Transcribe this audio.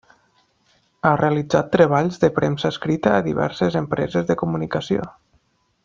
Ha realitzat treballs de premsa escrita a diverses empreses de comunicació.